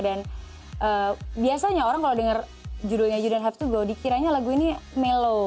dan biasanya orang kalau denger judulnya you don't have to go dikiranya lagu ini mellow